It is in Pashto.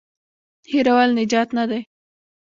هېرول نجات نه دی.